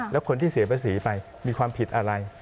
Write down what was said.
แล้วคนที่เสียภาษีไปมีความผิดอะไร